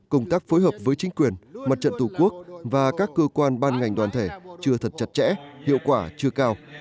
công tác phối hợp với chính quyền mặt trận tổ quốc và các cơ quan ban ngành đoàn thể chưa thật chặt chẽ hiệu quả chưa cao